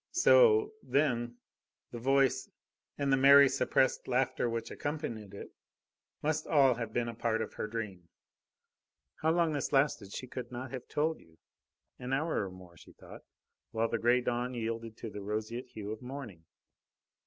So, then, the voice and the merry, suppressed laughter which accompanied it, must all have been a part of her dream. How long this lasted she could not have told you. An hour and more, she thought, while the grey dawn yielded to the roseate hue of morning.